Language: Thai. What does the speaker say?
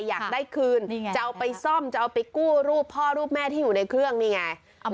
อยากได้คืนจะเอาไปซ่อมจะเอาไปกู้รูปพ่อรูปแม่ที่อยู่ในเครื่องนี่ไง